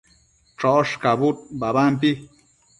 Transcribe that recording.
choshcabud babampi